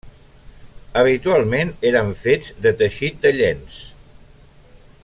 Habitualment eren fets de teixit de llenç.